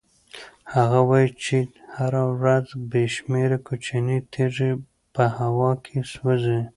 هغه وایي چې هره ورځ بې شمېره کوچنۍ تېږې په هوا کې سوځي.